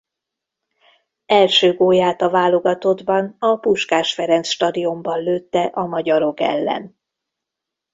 Első gólját a válogatottban a Puskás Ferenc Stadionban lőtte a magyarok ellen.